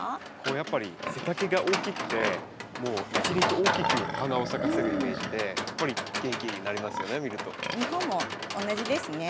やっぱり背丈が大きくてもう一輪と大きく花を咲かせるイメージでやっぱり元気になりますよね